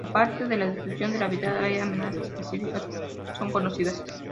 Aparte de la destrucción del hábitat, hay amenazas específicas son conocidas.